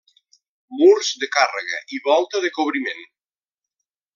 Murs de càrrega i volta de cobriment.